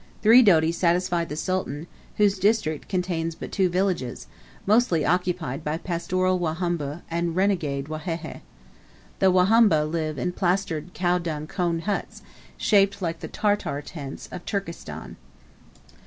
Three doti satisfied the Sultan, whose district contains but two villages, mostly occupied by pastoral Wahumba and renegade Wahehe. The Wahumba live in plastered (cow dung) cone huts, shaped like the tartar tents of Turkestan.